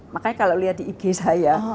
makanya kalau lihat di ig saya